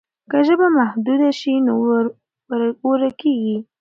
که ژبه محدوده شي نو ورکېږي.